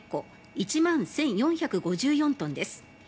１万１４５４トンです。